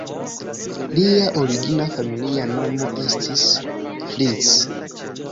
Lia origina familia nomo estis "Fritz".